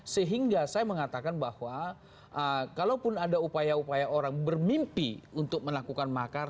sehingga saya mengatakan bahwa kalaupun ada upaya upaya orang bermimpi untuk melakukan makar